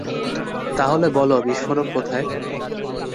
তাহলে বলো বিস্ফোরক কোথায়?